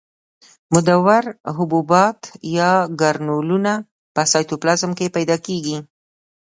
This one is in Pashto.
مدور حبیبات یا ګرنولونه په سایتوپلازم کې پیدا کیږي.